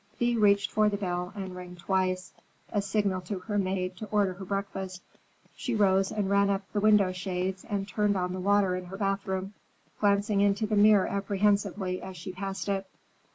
Thea reached for the bell and rang twice,—a signal to her maid to order her breakfast. She rose and ran up the window shades and turned on the water in her bathroom, glancing into the mirror apprehensively as she passed it.